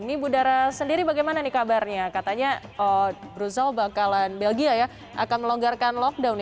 ini budara sendiri bagaimana kabarnya katanya brussel bakalan belgia ya akan melonggarkan lockdown